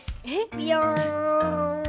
ビヨーン！